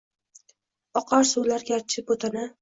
oqar suvlar – garchi boʼtana.